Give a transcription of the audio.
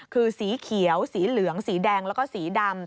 คือสีเขียวสีเหลืองสีแดงแล้วก็สีดำ